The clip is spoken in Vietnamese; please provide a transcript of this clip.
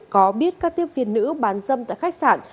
có biết các tiếp viên nữ bán dâm tại khách sạn